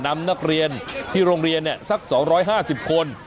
นำนักเรียนที่โรงเรียนสัก๒๕๐คน